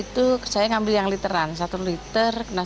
itu saya ngambil yang literan satu liter kena rp sebelas